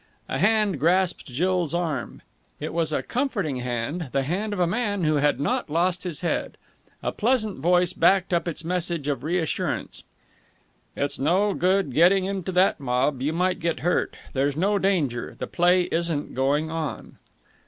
A hand grasped Jill's arm. It was a comforting hand, the hand of a man who had not lost his head. A pleasant voice backed up its message of reassurance. "It's no good getting into that mob. You might get hurt. There's no danger; the play isn't going on."